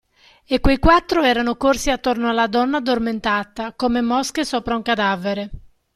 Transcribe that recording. E quei quattro erano corsi attorno alla donna addormentata, come mosche sopra un cadavere.